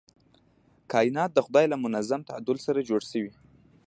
کائنات د خدای له منظم تعادل سره جوړ شوي.